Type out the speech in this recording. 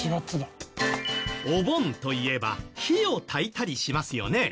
お盆といえば火を焚いたりしますよね。